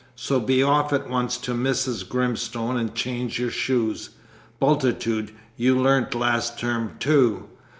So be off at once to Mrs. Grimstone and change your shoes. Bultitude, you learnt last term, too.